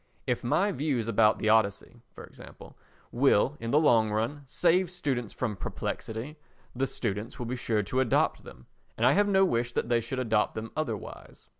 If my views about the Odyssey, for example, will, in the long run, save students from perplexity, the students will be sure to adopt them, and I have no wish that they should adopt them otherwise.